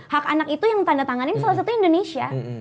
hak anak itu yang ditandatangani salah satu indonesia